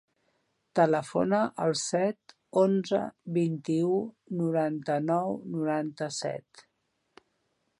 Telefona al set, onze, vint-i-u, noranta-nou, noranta-set.